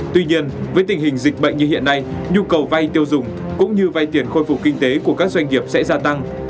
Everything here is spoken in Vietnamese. tuy nhiên với tình hình dịch bệnh như hiện nay nhu cầu vay tiêu dùng cũng như vay tiền khôi phục kinh tế của các doanh nghiệp sẽ gia tăng